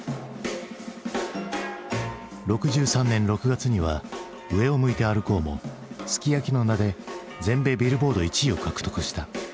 ６３年６月には「上を向いて歩こう」も「ＳＵＫＩＹＡＫＩ」の名で全米ビルボード１位を獲得した。